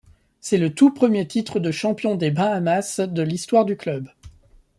C’est le tout premier titre de champion des Bahamas de l'histoire du club.